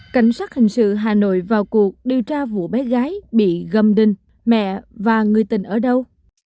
cảnh sát hành sự hà nội vào cuộc điều tra vụ bé gái bị gâm đinh mẹ và người tình ở đâu